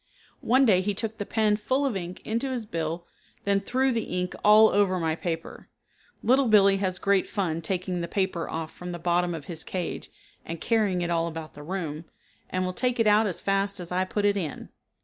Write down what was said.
One day he took the pen full of ink into his bill then threw the ink all over my paper. Little Billee has great fun taking the paper off from the bottom of his cage, and carrying it all about the room, and will take it out as fast as I put it in.